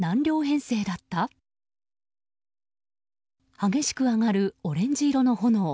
激しく上がるオレンジ色の炎。